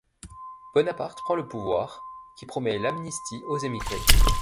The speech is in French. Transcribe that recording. Bonaparte prend le pouvoir, qui promet l’amnistie aux émigrés.